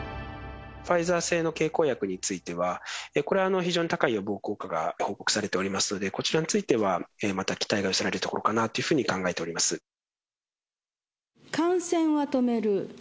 ファイザー製の経口薬については、これは非常に高い予防効果が報告されておりますので、こちらについてはまた期待が寄せられるところかなというふうに考感染は止める。